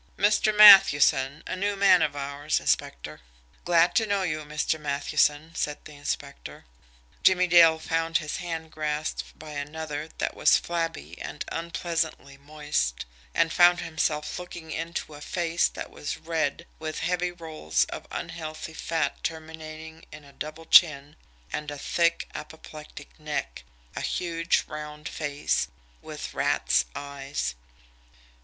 "Mr. Matthewson, a new man of ours inspector." "Glad to know you, Mr. Matthewson," said the inspector. Jimmie Dale found his hand grasped by another that was flabby and unpleasantly moist; and found himself looking into a face that was red, with heavy rolls of unhealthy fat terminating in a double chin and a thick, apoplectic neck a huge, round face, with rat's eyes.